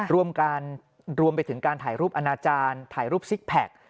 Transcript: รวมไปถึงการถ่ายรูปอาณาจารย์ถ่ายรูปซิกแพค